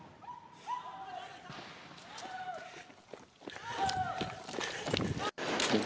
tni saudara mengubah penamaan kelompok kriminal yang diberikan oleh kkb di papua